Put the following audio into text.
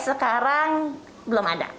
sampai sekarang belum ada